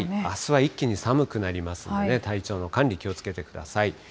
あすは一気に寒くなりますので、体調の管理、気をつけてください。